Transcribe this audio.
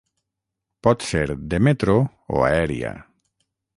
Pot ser de metro o aèria.